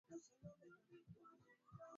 Benki hiyo kwa sasa inafanya utafiti